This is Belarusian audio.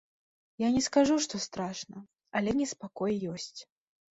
Я не скажу, што страшна, але неспакой ёсць.